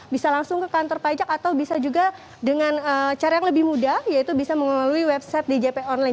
bisa langsung ke kantor pajak atau bisa juga dengan cara yang lebih mudah yaitu bisa mengelalui website di jp online